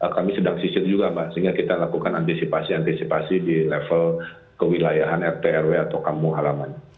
kami sedang sisir juga mbak sehingga kita lakukan antisipasi antisipasi di level kewilayahan rt rw atau kampung halaman